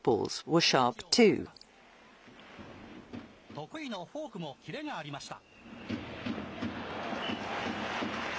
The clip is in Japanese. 得意のフォークもキレがありました。